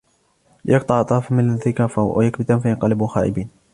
ليقطع طرفا من الذين كفروا أو يكبتهم فينقلبوا خائبين